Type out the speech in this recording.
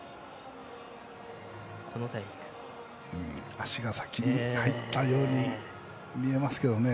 足が先に入ったように見えますけどね。